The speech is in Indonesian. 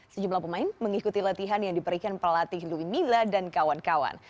sejumlah pemain mengikuti latihan yang diberikan pelatih louis mila dan kawan kawan